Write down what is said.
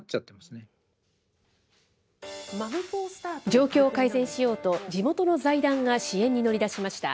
状況を改善しようと、地元の財団が支援に乗り出しました。